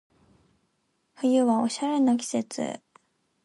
冬はおしゃれの季節